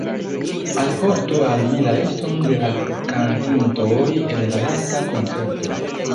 Alportu al mi la liston de la kantintoj en la lasta koncerto.